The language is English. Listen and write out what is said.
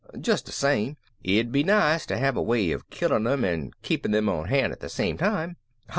Just the same, it'd be nice to have a way of killing 'em and keeping them on hand at the same time.